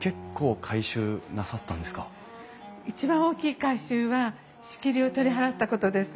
一番大きい改修は仕切りを取り払ったことです。